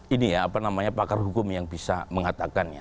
ini ya apa namanya pakar hukum yang bisa mengatakannya